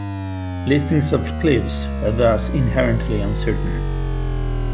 Listings of cliffs are thus inherently uncertain.